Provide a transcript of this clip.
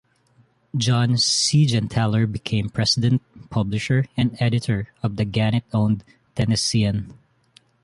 John Seigenthaler became president, publisher, and editor of the Gannett-owned "Tennessean".